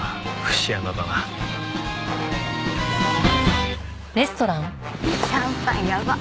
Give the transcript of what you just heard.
シャンパンやばっ！